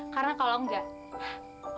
karena kalau enggak